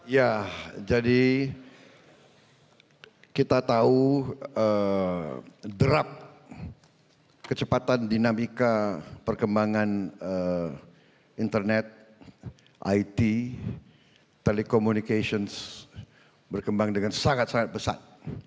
ya jadi kita tahu derap kecepatan dinamika perkembangan internet it telecommunications berkembang dengan sangat sangat besar